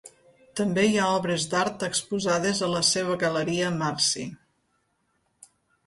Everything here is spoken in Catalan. També hi ha obres d'art exposades a la seva galeria Marsi.